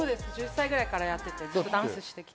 １０歳頃からやってて。